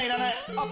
あっ！